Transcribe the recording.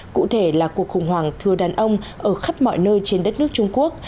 cụ thể là cuộc khủng hoảng thưa đàn ông ở khắp mọi nơi trên đất nước trung quốc